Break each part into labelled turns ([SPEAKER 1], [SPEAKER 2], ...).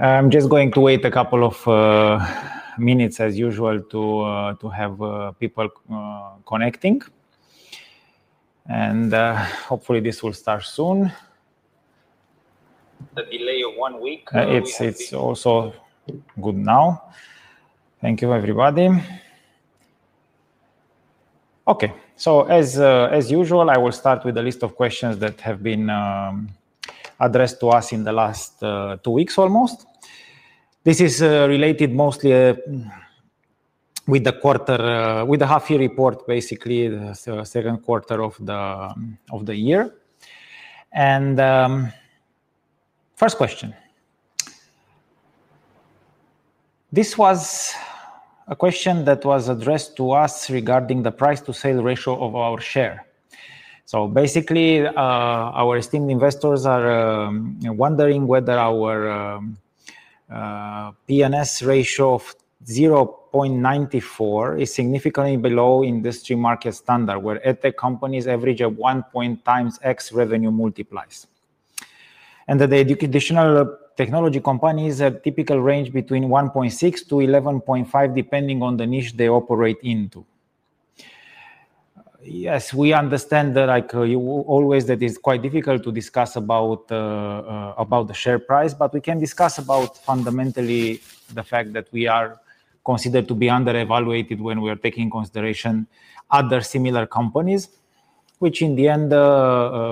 [SPEAKER 1] I'm just going to wait a couple of minutes, as usual, to have people connecting. Hopefully, this will start soon.
[SPEAKER 2] solutions and strengthen our position in the EdTech market.
[SPEAKER 1] It's also good now. Thank you, everybody. OK, as usual, I will start with a list of questions that have been addressed to us in the last two weeks almost. This is related mostly with the quarter, with the half-year report, basically, the second quarter of the year. First question. This was a question that was addressed to us regarding the price-to-sales ratio of our share. Basically, our esteemed investors are wondering whether our P/N/S ratio of 0.94 is significantly below industry market standard, where EdTech companies average at 1.0 times X revenue multiplies, and that the educational technology companies have a typical range between 1.6 to 11.5, depending on the niche they operate into. Yes, we understand that, like you always, that it's quite difficult to discuss about the share price. We can discuss about, fundamentally, the fact that we are considered to be underevaluated when we are taking into consideration other similar companies, which, in the end,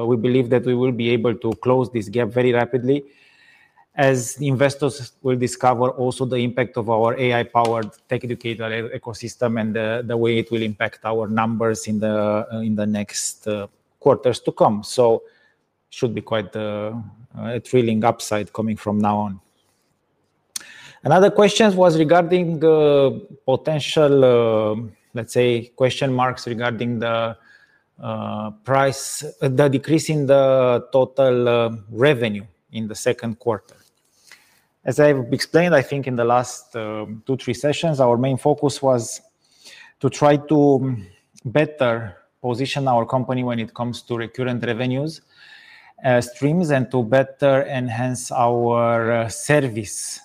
[SPEAKER 1] we believe that we will be able to close this gap very rapidly, as investors will discover also the impact of our AI-powered TechDucator ecosystem and the way it will impact our numbers in the next quarters to come. It should be quite a thrilling upside coming from now on. Another question was regarding potential, let's say, question marks regarding the price, the decrease in the total revenue in the second quarter. As I have explained, I think in the last two or three sessions, our main focus was to try to better position our company when it comes to recurrent revenue streams and to better enhance our service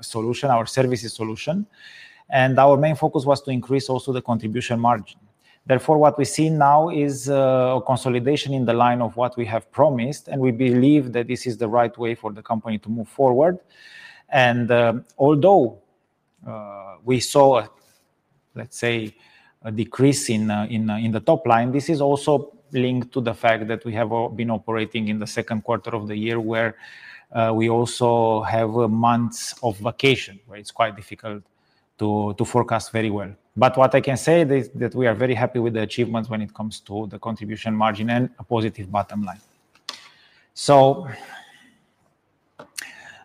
[SPEAKER 1] solution, our services solution. Our main focus was to increase also the contribution margin. Therefore, what we see now is a consolidation in the line of what we have promised. We believe that this is the right way for the company to move forward. Although we saw, let's say, a decrease in the top-line revenue, this is also linked to the fact that we have been operating in the second quarter of the year, where we also have months of vacation, where it's quite difficult to forecast very well. What I can say is that we are very happy with the achievements when it comes to the contribution margin and a positive bottom line.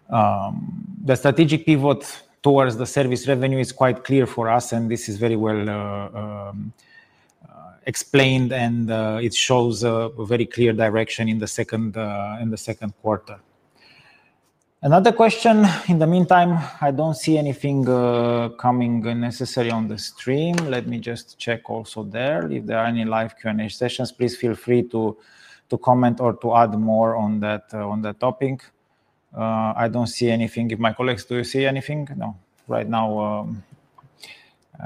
[SPEAKER 1] The strategic pivot towards the service revenue is quite clear for us. This is very well explained, and it shows a very clear direction in the second quarter. Another question, in the meantime, I don't see anything coming necessarily on the stream. Let me just check also there if there are any live Q&A sessions. Please feel free to comment or to add more on that topic. I don't see anything. Did my colleagues see anything? No, right now,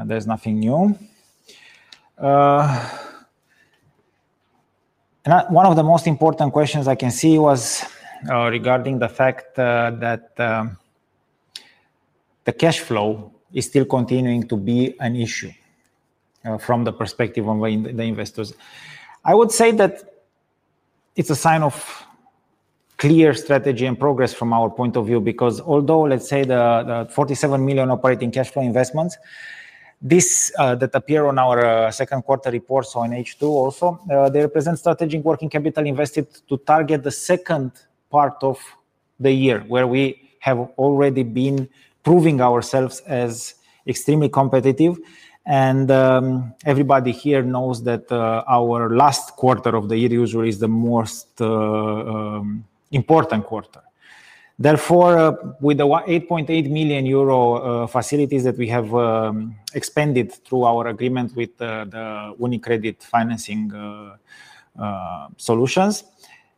[SPEAKER 1] there's nothing new. One of the most important questions I can see was regarding the fact that the cash flow is still continuing to be an issue from the perspective of the investors. I would say that it's a sign of clear strategy and progress from our point of view because, although, let's say, the €47 million operating cash flow investments that appear on our second quarter report, so on H2 also, they represent strategic working capital invested to target the second part of the year, where we have already been proving ourselves as extremely competitive. Everybody here knows that our last quarter of the year usually is the most important quarter. Therefore, with the €8.8 million facilities that we have expanded through our agreement with the UniCredit financing solutions,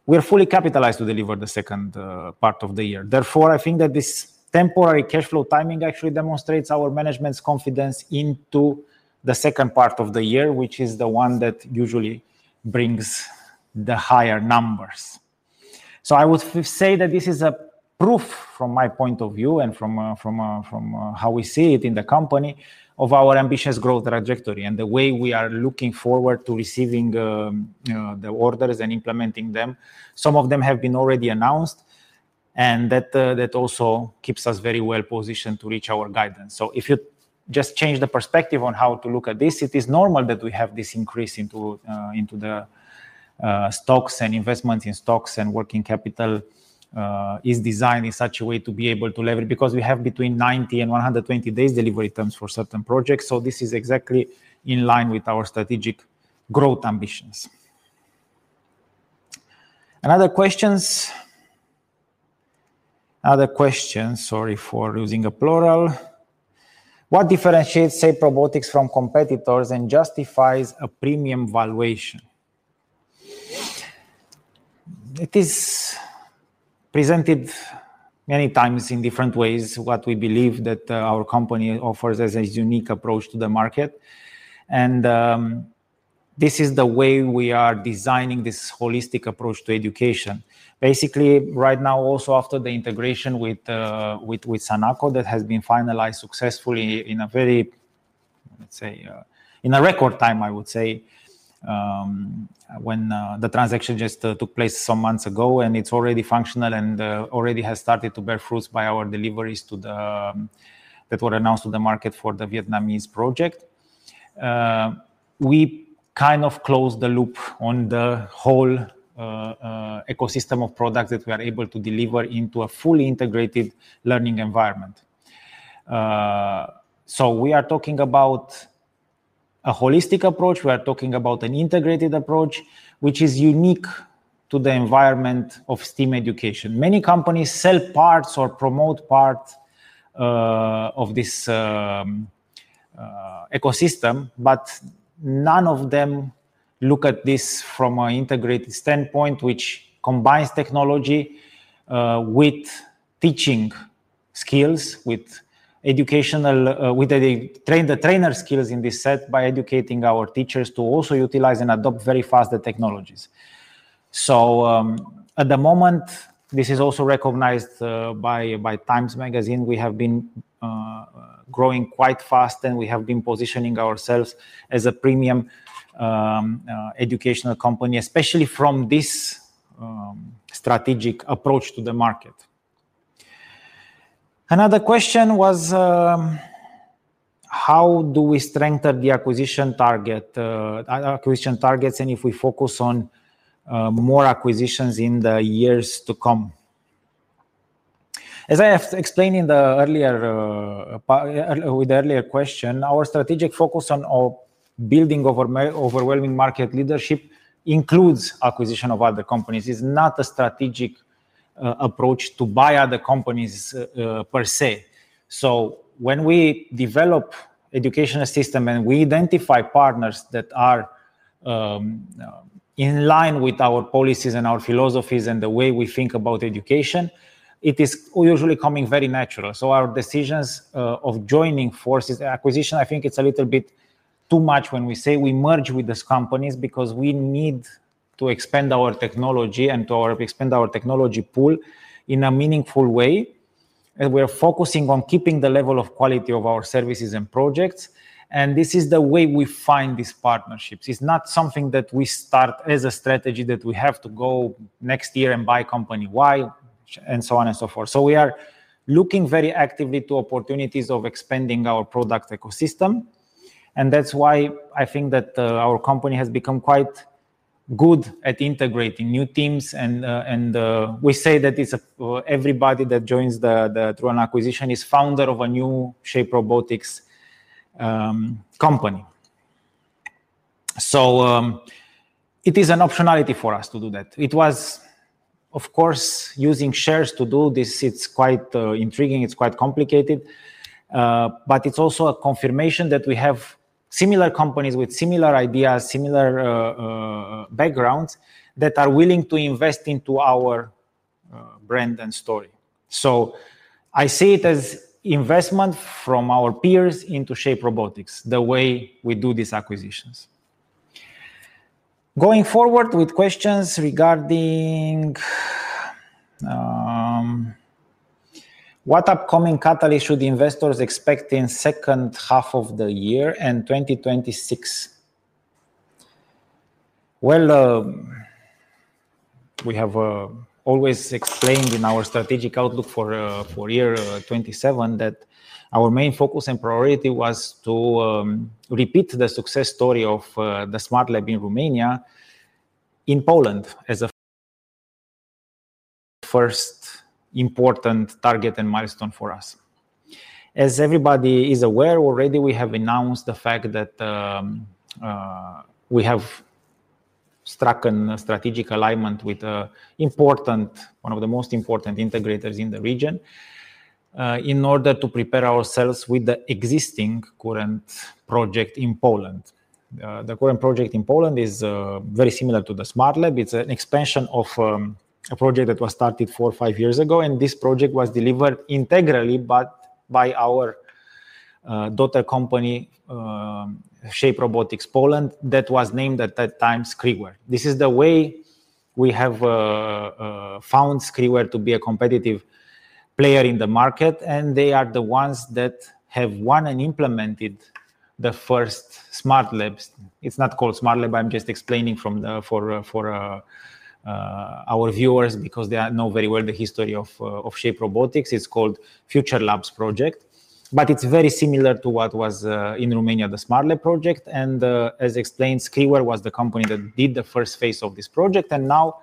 [SPEAKER 1] we are fully capitalized to deliver the second part of the year. I think that this temporary cash flow timing actually demonstrates our management's confidence into the second part of the year, which is the one that usually brings the higher numbers. I would say that this is a proof, from my point of view and from how we see it in the company, of our ambitious growth trajectory and the way we are looking forward to receiving the orders and implementing them. Some of them have been already announced. That also keeps us very well positioned to reach our guidance. If you just change the perspective on how to look at this, it is normal that we have this increase into the stocks and investments in stocks and working capital is designed in such a way to be able to leverage because we have between 90 and 120 days delivery terms for certain projects. This is exactly in line with our strategic growth ambitions. Another question? Other questions, sorry for using a plural. What differentiates Shape Robotics from competitors and justifies a premium valuation? It is presented many times in different ways what we believe that our company offers as a unique approach to the market. This is the way we are designing this holistic approach to education. Basically, right now, also after the integration with Sanako, that has been finalized successfully in a very, let's say, in a record time, I would say, when the transaction just took place some months ago. It's already functional and already has started to bear fruits by our deliveries that were announced to the market for the Vietnamese project. We kind of closed the loop on the whole ecosystem of products that we are able to deliver into a fully integrated learning environment. We are talking about a holistic approach. We are talking about an integrated approach, which is unique to the environment of STEAM education. Many companies sell parts or promote parts of this ecosystem. None of them look at this from an integrated standpoint, which combines technology with teaching skills, with educational, with the trainer skills in this set by educating our teachers to also utilize and adopt very fast the technologies. At the moment, this is also recognized by Times Magazine. We have been growing quite fast. We have been positioning ourselves as a premium educational company, especially from this strategic approach to the market. Another question was, how do we strengthen the acquisition targets and if we focus on more acquisitions in the years to come? As I have explained in the earlier question, our strategic focus on building overwhelming market leadership includes acquisition of other companies. It's not a strategic approach to buy other companies per se. When we develop an educational system and we identify partners that are in line with our policies and our philosophies and the way we think about education, it is usually coming very natural. Our decisions of joining forces in acquisition, I think it's a little bit too much when we say we merge with these companies because we need to expand our technology and to expand our technology pool in a meaningful way. We are focusing on keeping the level of quality of our services and projects. This is the way we find these partnerships. It's not something that we start as a strategy that we have to go next year and buy company Y and so on and so forth. We are looking very actively to opportunities of expanding our product ecosystem. That's why I think that our company has become quite good at integrating new teams. We say that everybody that joins through an acquisition is founder of a new Shape Robotics company. It is an optionality for us to do that. It was, of course, using shares to do this. It's quite intriguing. It's quite complicated. It's also a confirmation that we have similar companies with similar ideas, similar backgrounds that are willing to invest into our brand and story. I see it as investment from our peers into Shape Robotics, the way we do these acquisitions. Going forward with questions regarding what upcoming catalysts should investors expect in the second half of the year and 2026? We have always explained in our strategic outlook for year 2027 that our main focus and priority was to repeat the success story of the SmartLab in Romania. In Poland, as a first important target and milestone for us. As everybody is aware already, we have announced the fact that we have struck a strategic alignment with one of the most important integrators in the region in order to prepare ourselves with the existing current project in Poland. The current project in Poland is very similar to the SmartLab. It's an expansion of a project that was started four or five years ago. This project was delivered integrally by our daughter company, Shape Robotics Poland, that was named at that time Skriwer. This is the way we have found Skriwer to be a competitive player in the market. They are the ones that have won and implemented the first SmartLabs. It's not called SmartLab. I'm just explaining for our viewers because they know very well the history of Shape Robotics. It's called Future Labs Project. It's very similar to what was in Romania, the SmartLab project. As explained, Skriwer was the company that did the first phase of this project. Now,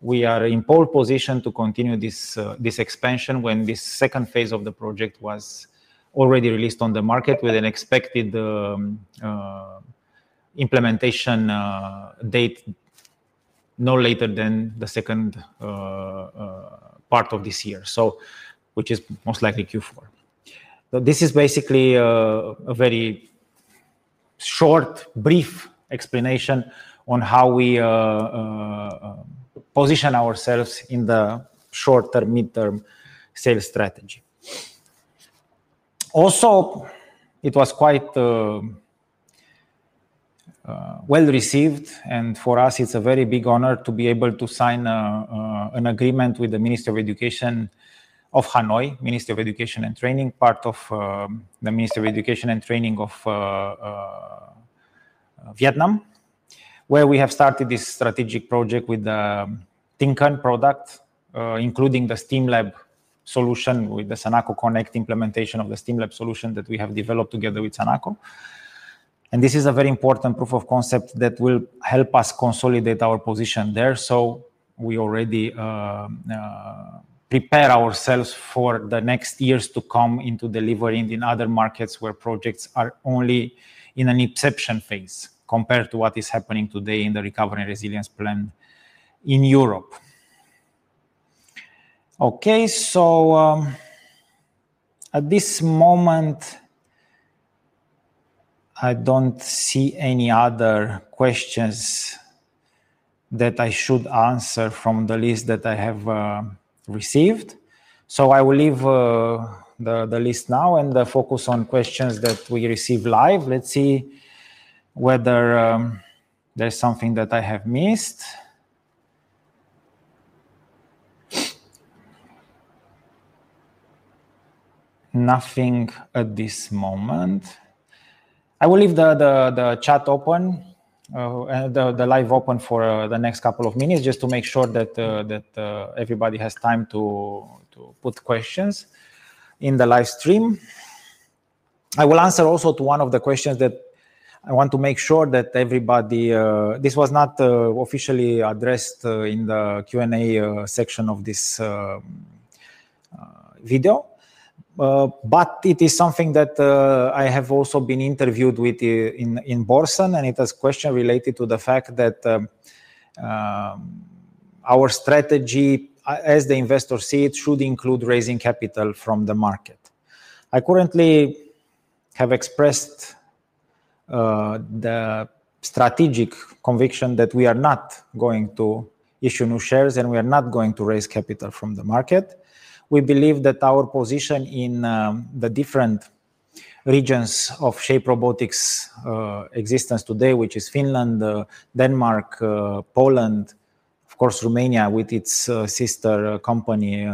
[SPEAKER 1] we are in a pole position to continue this expansion when this second phase of the project was already released on the market with an expected implementation date no later than the second part of this year, which is most likely Q4. This is basically a very short, brief explanation on how we position ourselves in the short-term, mid-term sales strategy. Also, it was quite well-received. For us, it's a very big honor to be able to sign an agreement with the Ministry of Education and Training in Hanoi, part of the Ministry of Education and Training of Vietnam, where we have started this strategic project with the Tinker product, including the STEAM Lab solution with the Sanako Connect implementation of the STEAM Lab solution that we have developed together with Sanako. This is a very important proof of concept that will help us consolidate our position there. We already prepare ourselves for the next years to come into delivering in other markets where projects are only in an inception phase compared to what is happening today in the Recovery and Resilience Plan in Europe. At this moment, I don't see any other questions that I should answer from the list that I have received. I will leave the list now and focus on questions that we receive live. Let's see whether there's something that I have missed. Nothing at this moment. I will leave the chat open, the live open, for the next couple of minutes just to make sure that everybody has time to put questions in the live stream. I will answer also to one of the questions that I want to make sure that everybody, this was not officially addressed in the Q&A section of this video. It is something that I have also been interviewed with in Borsen. It is a question related to the fact that our strategy, as the investors see it, should include raising capital from the market. I currently have expressed the strategic conviction that we are not going to issue new shares. We are not going to raise capital from the market. We believe that our position in the different regions of Shape Robotics' existence today, which is Finland, Denmark, Poland, of course, Romania, with its sister company,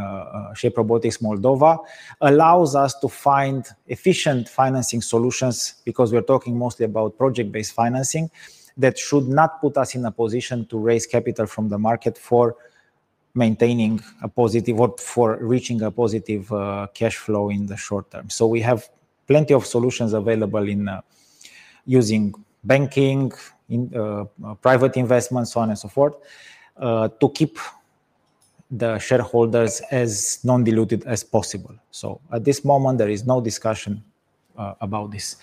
[SPEAKER 1] Shape Robotics Moldova, allows us to find efficient financing solutions because we are talking mostly about project-based financing that should not put us in a position to raise capital from the market for maintaining a positive or for reaching a positive cash flow in the short term. We have plenty of solutions available using banking, private investments, and so on and so forth to keep the shareholders as non-diluted as possible. At this moment, there is no discussion about this.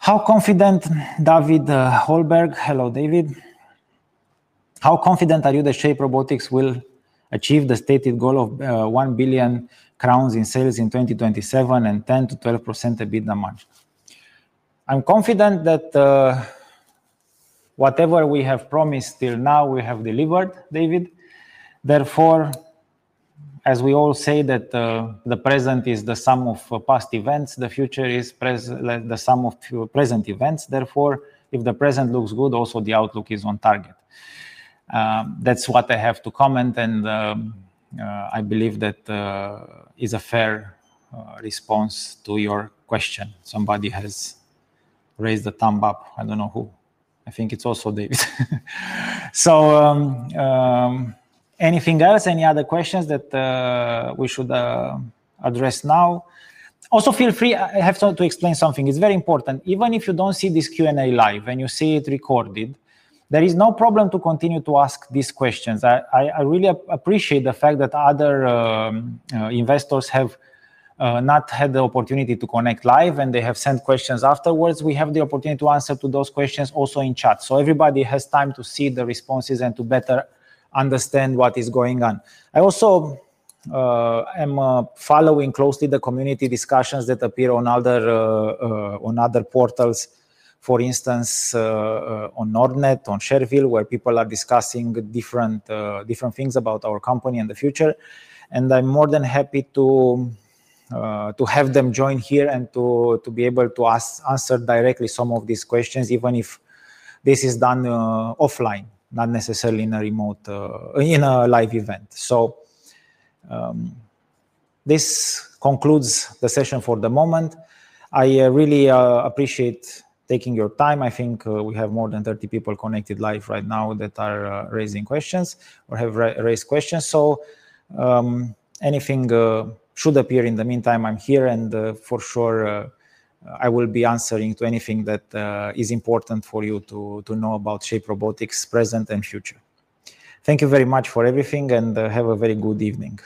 [SPEAKER 1] How confident, David Holberg? Hello, David. How confident are you that Shape Robotics will achieve the stated goal of 1 billion crowns in sales in 2027 and 10% to 12% EBITDA margin? I'm confident that whatever we have promised till now, we have delivered, David. Therefore, as we all say, the present is the sum of past events. The future is the sum of present events. Therefore, if the present looks good, also the outlook is on target. That's what I have to comment. I believe that is a fair response to your question. Somebody has raised a thumb up. I don't know who. I think it's also David. Anything else? Any other questions that we should address now? Also, feel free. I have to explain something. It's very important. Even if you don't see this Q&A live and you see it recorded, there is no problem to continue to ask these questions. I really appreciate the fact that other investors have not had the opportunity to connect live, and they have sent questions afterwards. We have the opportunity to answer those questions also in chat, so everybody has time to see the responses and to better understand what is going on. I also am following closely the community discussions that appear on other portals, for instance, on Nordnet, on ShareVille, where people are discussing different things about our company and the future. I'm more than happy to have them join here and to be able to answer directly some of these questions, even if this is done offline, not necessarily in a live event. This concludes the session for the moment. I really appreciate taking your time. I think we have more than 30 people connected live right now that are raising questions or have raised questions. If anything should appear in the meantime, I'm here, and for sure, I will be answering to anything that is important for you to know about Shape Robotics' present and future. Thank you very much for everything, and have a very good evening.